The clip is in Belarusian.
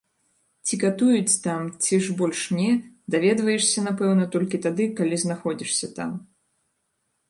Ці катуюць там ці ж больш не, даведваешся напэўна толькі тады, калі знаходзішся там.